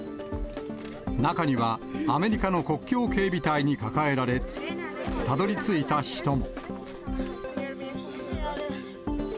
中には、アメリカの国境警備隊に抱えられ、たどりついた人も。